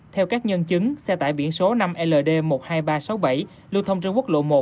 theo các nhân chứng xe tải biển số năm ld một mươi hai nghìn ba trăm sáu mươi bảy lưu thông trên quốc lộ một